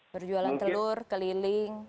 berjualan telur keliling